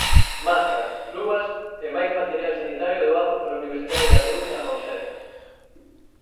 Máscaras, luvas e máis material sanitario doado pola Universidade da Coruña ao Sergas.